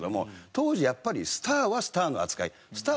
当時やっぱりスターはスターの扱い。